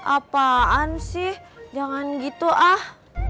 apaan sih jangan gitu ah